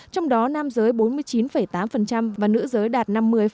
trong đó nam giới bốn mươi chín tám và nữ giới đạt năm mươi